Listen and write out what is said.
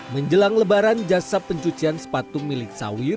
menjelang lebaran jasa pencucian sepatu milik sawir